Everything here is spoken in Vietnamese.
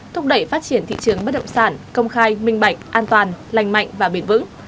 thúc đẩy phát triển thị trường bất động sản công khai minh bạch an toàn lành mạnh và bền vững